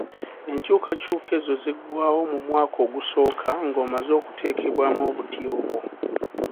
Enkyukakyuka ezo ziggwaawo mu mwaka ogusooka ng'omaze okuteekebwamu obuti obwo.